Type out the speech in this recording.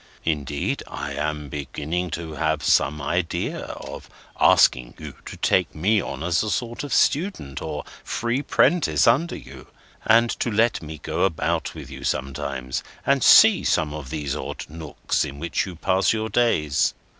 Indeed, I am beginning to have some idea of asking you to take me on as a sort of student, or free 'prentice, under you, and to let me go about with you sometimes, and see some of these odd nooks in which you pass your days."